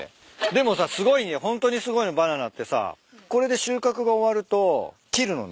でもさすごいホントにすごいのバナナってさこれで収穫が終わると切るのね。